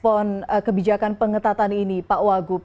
bagaimana menurut anda kebijakan pengetatan ini pak wagub